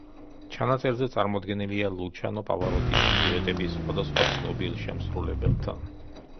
ჩანაწერზე წარმოდგენილია ლუჩანო პავაროტის დუეტები სხვადასხვა ცნობილ შემსრულებელთან.